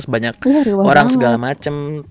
banyak orang segala macem